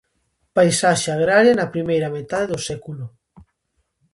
Paisaxe agraria na primeira metade do século.